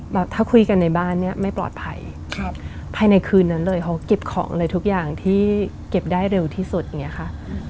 แบบถ้าคุยกันในบ้านเนี่ยไม่ปลอดภัยภายในคืนนั้นเลยเขาเก็บของอะไรทุกอย่างที่เก็บได้เร็วที่สุดอย่างนี้ค่ะ